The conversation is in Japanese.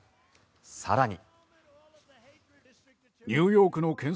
更に。